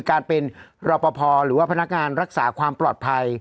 การเป็นรอปภหรือว่าพนักงานรักษาความปลอดภัย